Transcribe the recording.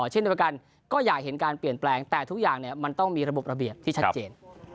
เช่นเดียวกันก็อยากเห็นการเปลี่ยนแปลงแต่ทุกอย่างมันต้องมีระบบระเบียบที่ชัดเจน